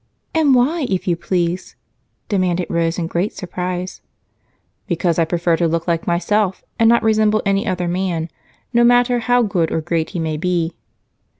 "And why, if you please?" demanded Rose in great surprise. "Because I prefer to look like myself, and not resemble any other man, no matter how good or great he may be."